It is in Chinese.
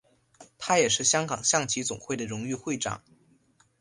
他也是香港象棋总会的荣誉会长。